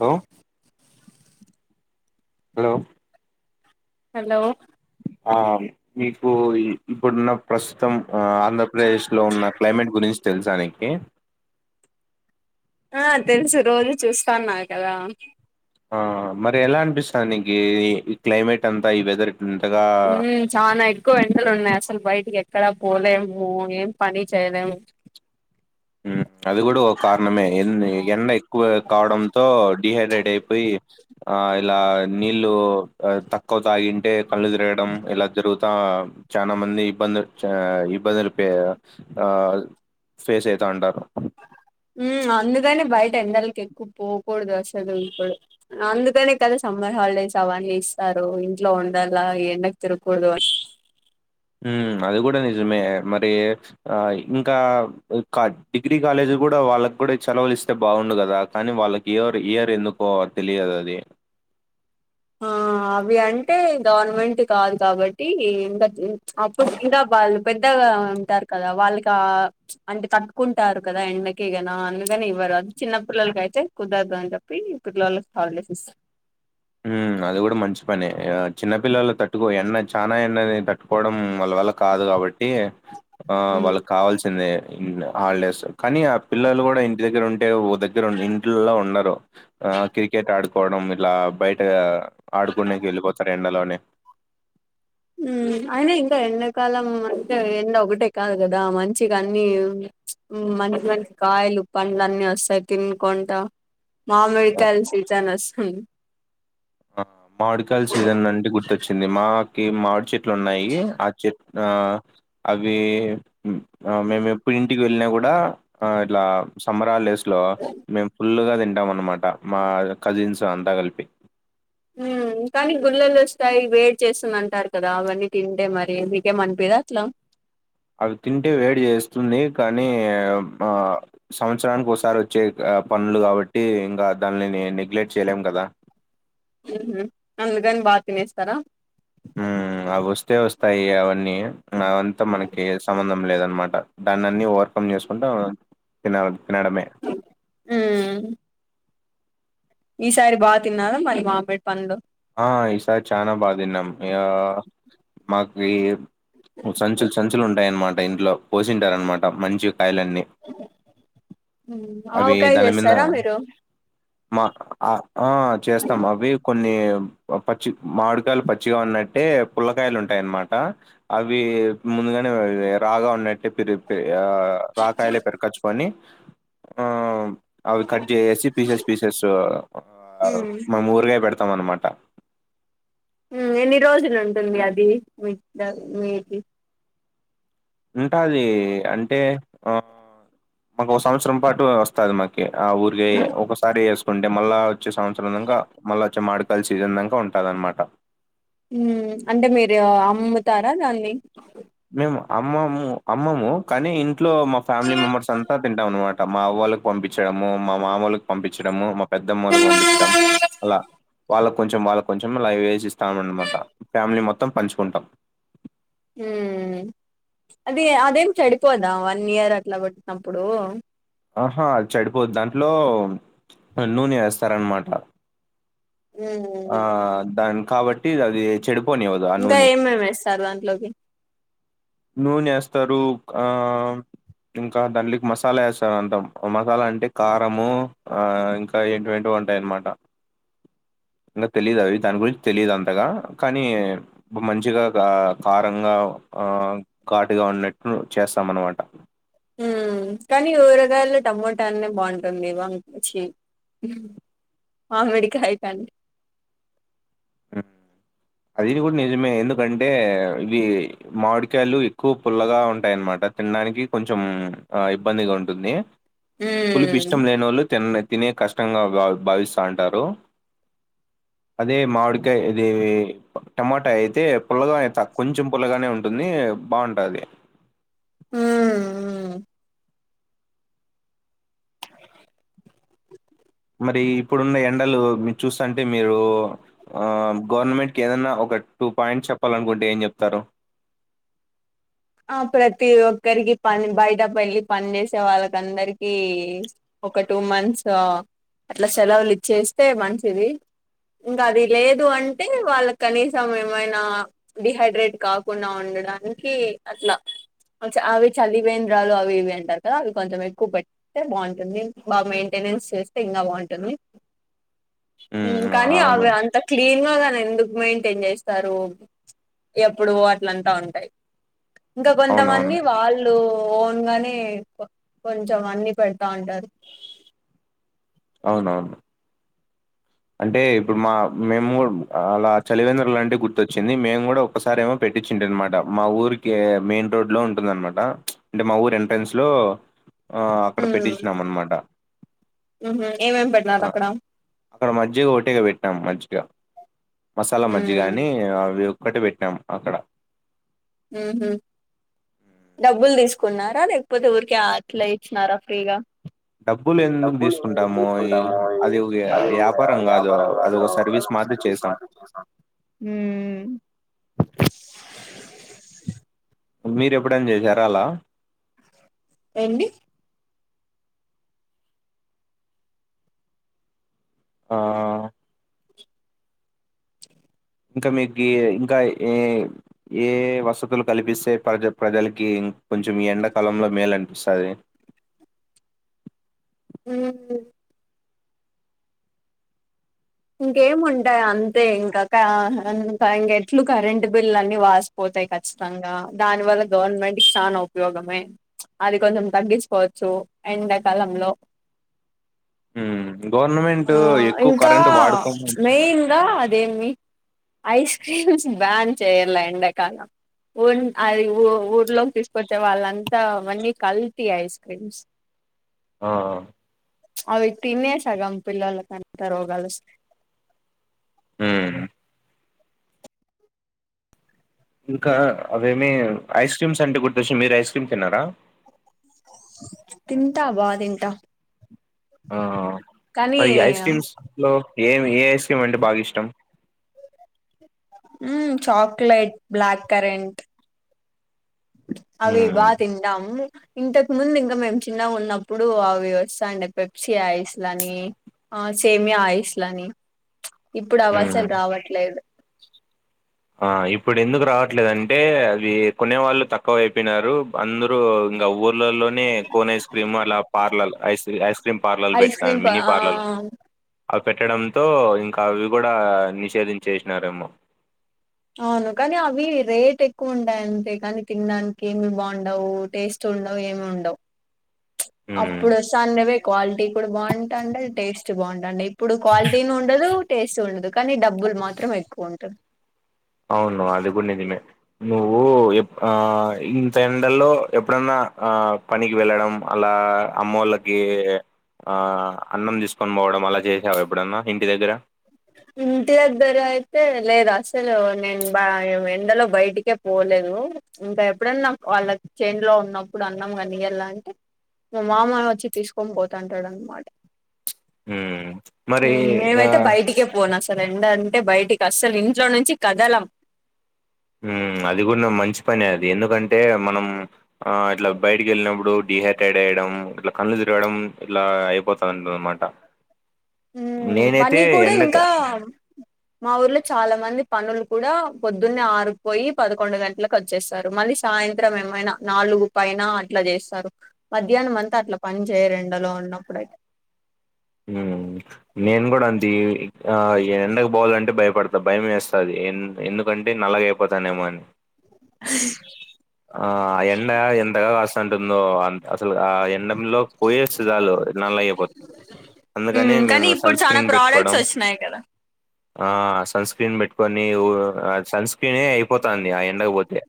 Hello hello hello ఆ మీకు ఇప్పుడున్న ప్రస్తుతం ఆ ఆంధ్రప్రదేశ్ లో ఉన్న క్లైమేట్ గురించి తెలుసానికి ఆ తెలుసు రోజు చూస్తాన్నా కదా ఆ మరి ఎలా అనిపిస్తాది నీగి ఈ ఈ క్లైమేట్ అంతా ఈ వెదర్ ఇంతగా చాన ఎక్కువ ఎండలు ఉన్నాయి అసలు బయటికి ఎక్కడ పోలేము ఏం పని చేయలేము ఊ అది కూడ ఒక కారణమే ఎన్ ఎండ ఎక్కువ కావడంతో డిహైడ్రేట్ అయిపోయి ఆ ఇలా నీళ్లు తక్కువ తాగింటే కళ్ళు తిరగడం ఇలా జరుగు త చనా మంది ఇబ్బంది [unintelligible] ఇబ్బందులు పే ఫేస్ అయి తాండరు ఊ అందుకనే బయట ఎండలకి ఎక్కువ పోకూడదు అసలు ఇప్పుడు అందుకనే కదా స సమర్ హాలిడేస్ అవన్నీ ఇస్తారు ఇంట్లో ఉండల్లా ఎండకి తిరుకూడదు అని అది కూడా నిజమే మరి ఆ ఇంకా డిగ్రీ కాలేజీ కూడా వాళ్ళకి కూడా సెలవలు ఇస్తే బాగుండు కదా కానీ వాళ్ళకి ఇయ్యారు ఎందుకో తెలియదు అది ఆ అవి అంటే గవర్నమెంట్ కాదు కాబట్టి ఇంకా అప్పుడు ఇంకా వాళ్ళు పెద్ద ఆ ఉంటారు కదా వాళ్ళకి ఆ అంటే తట్టుకుంటారు కదా ఎండకిగనా అందుకని ఇవ్వరు చిన్న పిల్లలకైతే కుదరదు అని చెప్పి పిల్లోళ్ళకి హాలిడేస్ ఇస్తారు ఊ అది కూడా మంచి పనే చిన్న పిల్లలు తట్టుకో ఎన్న చానా ఎండకి తట్టుకోవడం వాళ్ళ వల్ల కాదు కాదు కాబట్టి ఆ ఉమ్. వాళ్ళకి కావాల్సిందే హాలిడేస్ కానీ ఆ పిల్లలు కూడా ఇంటి దగ్గర ఉంటే ఓ దగ్గర ఇంట్లో ఉండరు ఆ క్రికెట్ ఆడుకు పోవడం ఇట్లా బయట ఆడుకుండేకి ఎల్లిపోతారు ఎండలోనే అయినా ఇంకా ఎండాకాలం అంటే ఎండ ఒకటే కాదు కదా మంచిగా అన్ని మంచి మంచి కాయలు పండ్లు అన్ని వస్తాయి తినుకుంటా మామిడికాల సీజన్ వస్తుంది ఆ మామిడికాయలు సీజన్ అంటే గుర్తొచ్చింది మాకి మామిడి చెట్లు ఉన్నాయి ఆ చెట్లు ఆ అవి మేము ఎప్పుడు ఇంటికి వెళ్ళినా కూడా ఇట్లా సమ్మర్ హాలిడేస్ లో మేము ఫుల్ గా తింటాం అన్నమాట మా కజిన్స్ అంతా కలిపి ఊ కానీ గుళ్ళలు వస్తాయి వేడి చేస్తుంది అంటారు కదా అవన్నీ తింటే మరి మీకేం అనిపిదా అట్లా అవి తింటే వేడి చేస్తుంది కానీ ఆ సంవత్సరానికి ఒకసారి వచ్చే పండ్లు కాబట్టి ఇంకా దానిని నెగ్లెట్ చేయలేం కదా ఉహుహు అందుకని బా తినేస్తారా ఉమ్ అవి వస్తే వస్తాయి అవన్నీ అ అంతా మనకి సంబంధం లేదనమాట దాన్ని అన్ని ఓవర్కమ్ చేసుకుంటే తినాలి తినడమే హ్మ్ ఈసారి బా తిన్నార మరి బా పెట్ ఆ ఈసారి చానా బా తిన్నం మాకి ఈ సంచులు సంచులు ఉంటాయన్నమాట ఇంట్లో పోసింటారు అనమాట మంచి కాయలన్నీ హ్మ్ అవి ఆవకాయ దాని మీద చేస్తారా మీరు మా ఆ చేస్తాం అవి కొన్ని పచ్చి మామిడికాయలు పచ్చిగా ఉన్నట్టే పుల్లకాయలు ఉంటాయన్నమాట అవి ముందు అనే రాగా ఉన్నట్టు రి రాకాయలే పెరగచ్చుకొని ఆ అవి కట్ చేసేసి పీసెస్ పీసెస్ హ్మ్ మేము ఊరగాయ పెడతాం అన్నమాట ఎన్ని రోజులు ఉంటుంది అది మ మీకి ఉంటాది అంటే ఆ మాకు ఒక సంవత్సరం పాటు వస్తది మాకి ఆ ఉరాగయా ఒకసారి వేసుకుంటే మళ్ళా వచ్చే సంవత్సరం దాక మల్లో వచ్చే మాడుకాయలు సీజన్ దాకా ఉంటుందినమాట ఊ అంటే మీరు అమ్ముతారా దాన్ని మేము అమ్మము అమ్మము కానీ ఇంట్లో మా ఫ్యామిలీ మెంబర్స్ అంతా తింటాం అనమాట మా అవ వాళ్ళకి పంపించడము మా మామళ్ళకి పంపించడము మా పెద్దమ్మకి పంపించడం అలా వాళ్ళ కొంచెం వాళ్ళక్కొంచెం అలా వేసి ఇస్తామనమాట ఫ్యామిలీ మొత్తం పంచుకుంటాం హుమ్మ్ అది అదేం చెడిపోదా వన్ ఇయర్ అట్లా వెట్టినప్పుడు ఆహా అద్ చెడిపోద్ దాంట్లో నూనె ఏస్తారనమాట ఆ హ్మ్ దానిన్ కాబట్టి అది ఏ చెడప్ ఇంకా ఏమేమి ఏసరు దాంట్లోకి నూనే ఏస్తారు ఉక్ ఆ ఇంకా దాంట్లిక్ మసాలా ఏసారు అంతాం మసాలా అంటే కారము ఆ ఇంకా ఎటువంటివో డైనమాట నాక్ తెలీదవి దాని గురించి తెలిదంతగా కానీ మంచిగా గా కారంగా ఆ ఘాటుగా ఉన్నట్లు చేస్తాం అన్నమాట. హుమ్మ్ కానీ ఊరగాయల్లో టమోటానే బావుంటుంది. వామ్ చీ మామిడికాయ్ కంటే అది గూడా నిజమే ఎందుకంటే ఇవి మాడికాయలు ఎక్కువ పుల్లగా ఉంటాయ్ అనమాన్ అంటే తిండానికి కొంచెం ఆ ఇబ్బందిగుంటుంది. పులిపు హ్మ్. ఇష్టం లేనోళ్ళు తినే తినే కష్టంగా భావ్ భవిస్తావుంటారు. అదే మాడి కే ఇది టమాటా అయితే పుల్లగా ఎంతా కొంచెం పుల్లగానే ఉంటుంది బావుంటది. హుమ్మ్ హుహ్ మరి ఇప్పుడున్న ఎండలు మీరు చూస్తాంటే మీరు ఆ గవర్నమెంట్ కేదన్నా ఓక్ కట్ టూ పాయింట్స్ చెప్పాలనుకుంటే ఏం జేప్తారు. ఆ ప్రతి ఒక్కరికి పని బయట పెళ్ళి పని చేేసే వాళ్ళకందరికి ఒక టూ మంత్స్ఓ అట్లా సెలవులు ఇచ్చేస్తే మంచిది. ఇంగా అది లేదు అంటే వాళ్ళక్ కనీసం ఏమైనా డిహైడ్రేట్ కాకుండా ఉంన్ డడానికి అట్లా మంచా అవి చలివేంద్రాలు అవి ఇవి అంటారు కదా అవి కొంచెం ఎక్కువ పెడ్తే బావుంటుంది బా మెయింటైన్ నెన్స్ చేస్తే ఇంగా బవుంటుంది. ఉమ్ కానీ అవి అంత క్లి దీనళ్ళగాని ఎందుకు మెయింటైన్ జేస్తారు. ఇగా యప్పుడు అంట్లా అంటా ఉంటాయ్. ఇంకా కొంతమంది అవునవును వాళ్ తో ఓన్గానే కో కొంచెం అన్ని పెడతా ఉంటారు. అవునవును అంటే ఇప్పుడు మా మేముగూడ్ అలా చలివేంద్రాలంటే గుర్తొచ్చింది మేము గూడా ఒకసారి ఏమో పె టిచ్చిన్ట్ అనమాట. మా ఊరికే మెయిన్ రోడ్ లో ఉంటుందనమాట అంటే మా ఊర్ ఎంట్రన్స్ లో ఆ అక్కడ హ్మ్ పెట్టించిన్నాం అన్నమాట ఊహూ ఏమేం పెట్టినారు ఆ అక్కడ అక్కడ మజ్జిగ ఒకటేగా పెట్టినం మజ్జిగ మసాలా హ్మ్ మజ్జిగాని అవి ఏవ్ ఒకటే పెట్టాం అక్కడా ఉహూహ్ డబ్బులు దిస్కున్నారా లేకపోతే ఊరికే అట్లా ఇచ్చినారా ఫ్రీగా. డబ్బులు ఎందుకు డబ్బులు ఎందుకు తీసుకుంటాము ఈ దిసుకుంటాము. ఈ అది ఉండన్లే వ్యాపారం అది కాదు వ్యాపారం అది ల్యాండో. ఒక సర్వీస్ మాత్ర చేసాం ఊహ్మ్ మీరెప్పుడైనా జేశారా అలా ఏండి ఆహా ఇంకా మీక్ ఏ ఇంకా ఏ ఏ వసతులు కల్పిస్తే ప్రజ ప్రజలకి కొంచెం ఎండకాలంలో మేలనిపిసది. ఉమ్మ్ ఇంకేముంటాయి అంతే ఇంకా కా ఇంక ఎట్లు కరెంట్ బిల్లన్ని వాసిపో తాయి ఖచ్చితంగా దానివల్ల గవర్నమెంట్ కి సాన ఉపయోగమే అది కొంచెం తగ్గించుకోవచ్చు ఎండాకాలంలో ఉమ్మ్ గవర్నమెంట్ ఎక్కువ కరెంట్ వాడు మెయిన్‌గా అదే మి ఐస్ క్రీమ్స్ బ్యాన్ చేయలా ఎండకాలం ఉన్ అది ఊ ఊర్లోకి తీసుకొచ్చే వాళ్ళంతా అవన్నీ కల్తీ ఐస్ క్రీమ్స్ ఆఆ అవి తినే సగం పిల్లలకంతా రోగాలు వస్తాయి ఉమ్మ్ ఇంకా అవేమి ఐస్ క్రీమ్స్ అంటే గుర్తొచ్చింది మీరు ఐస్ క్రీమ్ తిన్నారా తింటా బా తింటా ఆఆ కానీ మరి ఈ ఐస్ క్రీమ్స్‌లో ఏమి ఏ ఐస్ క్రీమ్ అంటే బాగా ఇష్టం ఉమ్మ్ చాక్లేెట్ బ్లాక్ కరెంట్ అవి బా హ్మ్ తింటాం ఇంతకు ముందు ఇంకా మేము చిన్నగా ఉన్నప్పుడు అవి వస్తాండే పెప్సీ ఐస్ లని ఆ సేమి ఐస్ లని ఇప్పుడు అవి హ్మ్ అసలు రావట్లేదు ఆ ఇప్పుడు ఎందుకు రావట్లేదంటే అవి కొనే వాళ్ళు తక్కువ అయిపోయినారు అందరుూ ఇంకా ఉ ర్లలోనే కోన్ ఐస్ క్రీమ్ అలా పార్లల్ ఐస్ ఐస్ క్రీమ్ పార్లర్లు ఐస్ క్రీమ్ పెట్టినారు ప మిని ఆ పార్లర్లు అవి పెట్టడంతో ఇంకా అవి కూడా నిషేధించేసినారేమో అవును కానీ అవి రేట్ ఎక్కువ ఉంటయ్ అంతే కానీ తినడానికి ఏమి బాండవు టేస్ట్ ఉండవు ఏం ఉండవు హ్మ్ అప్పుడు వస్తాండేవే క్వాలిటీ అప్పుడు బాగుంటాండే టేస్ట్ బాగుంటండే ఇప్పుడు క్వాలిటీని ఉండదు టేస్ట్ ఉండదు కానీ డబ్బులు మాత్రం ఎక్కువ ఉంటుది అవును అది కూడా నిజమే నువ్వు ఎప్ ఆ ఇంత ఎండలో ఎప్పుడన్నా ఆ పనికి వెళ్ళడం అలా అమ్మ వాళ్ళకి ఆ అన్నం తీసుకొని పోవడం అలా చేసావా ఎప్పుడన్నా ఇంటి దగ్గర ఇంటి దగ్గర అయితే లేదు అసలు నేను బా ఎండలో బయటికే పో లేదు ఇంకా ఎప్పుడన్నా వాళ్ళకి చేన్లో ఉన్నప్పుడు అన్నాం కానీ ఇయాలంటే మా మామనే వచ్చి తీసుకొని పోతంటాడు అన్నమాట మ్మ్ మరి ఉమ్మ్ ఆ మేమైతే బయటి కే పోను అసలు ఎండంటే బయటికి అస్సలు ఇంట్లో నుంచి కదలం ఉమ్మ్ అది కుడ్న మంచిపనే అది ఎందుకంటే మనం ఆ ఇట్లా బయటికి ఎళ్ళినప్పుడు డిహైడ్రేట్ అయడం ఇట్లా కళ్లు తిరగడం ఇలా అయిపోతుంటది అనమాట ఉమ్మ్ పని కూడా ఇంకా మా ఊర్లో చాలా మంది పనులు కూడా పొద్దున్నే ఆరుకు పోయి పదకొండు గంటలకు వచ్చేస్తారు మళ్ళీ సాయంత్రం ఏ మైన నాలుగు పైన అట్లా చేస్తారు మధ్యాహ్నం అంతా అట్లా పని చేయరు ఎండలో ఉన్నప్పుడైతే ఉమ్మ్ నేను కూడా అంతే ఆ ఎండకు పోవాలంటే భయపడతా భయమేస్తాది ఎం ఎందుకంటే నల్లగాయిపోతానేమో అని ఆ ఆ ఎండ ఎంతగా కాస్తా ఉంటుందో అసలు ఆ ఎండ లో పోయివస్తే చాలు నల్లగైపోతాం. అందుకనే ఉమ్ కానీ మేము ఇప్పుడు సన్ చాలా స్క్రీన్ ప్రోడక్ట్స్ పెట్టుకోవడం వచ్చినాయి కదా ఆ సన్ స్క్రీన్ సన్ స్క్రీనే అయిపోతాంది ఎండకి పోతే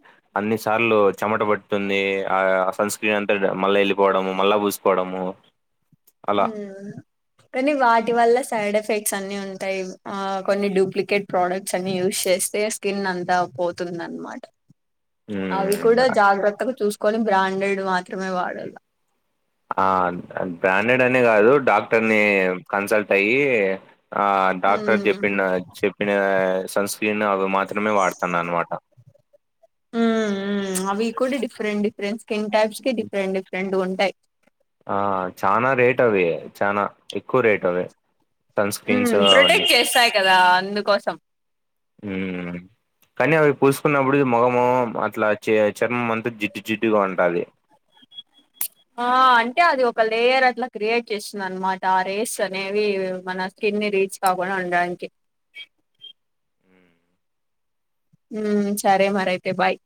దార్లో చెమట పడుతుంది. ఆ సన్ స్క్రీన్ అంతా మళ్ళా వెళ్ళిపోవడము మళ్ళా పూసుకోవడము. అలా కానీ వాటి వల్ల సైడ్ ఎఫెక్ట్స్ అన్నీ ఉంటాయి. ఆ కొన్ని డూప్లికేట్ ప్రోడక్ట్స్ అన్ని యూస్ చేస్తే స్కిన్ అంతా పోతుందన్నమాట అవి ఉమ్, కూడా జాగ్రత్తగా చూసుకొని బ్రాండెడ్ మాత్రమే వాడాల. ఆ బ్రాండెడ్ అనే కాదు, డాక్టర్ ని కన్సల్ట్ అయ్యి ఆ డాక్టర్ ఉమ్ చెప్పిన చెప్పిన సన్ స్క్రీన్ అవి మాత్రమే మాత్రమే వాడుతాను అన్నమాట. ఉమ్ ఉమ్ అవి కూడా డిఫరెంట్ డిఫరెంట్ స్కిన్ టైప్స్ కి డిఫరెంట్ డిఫరెంట్ గా ఉంటాయి. ఆ చానా రేట్ అవి చానా ఎక్కువ రేట్ అవి సన్ స్క్రీన్స్ మ్ అవన్నీ ప్రొటెక్ట్ చేస్తాయి కదా అందుకోసం. ఉమ్ కానీ అవి పూసుకున్నప్పుడు ముఖము అట్లా చర్మం అంతా జిడ్డు, జిడ్డుగా ఉంటాది. ఆ అంటే అది ఒక లేయర్ అట్లా క్రియేట్ చేస్తుంది అన్నమాట. ఆ రేస్ అనేవి మన స్కిన్ ని రీచ్ కాకుండా. ఉండానికి మ్ సరే మరి అయితే బాయ్.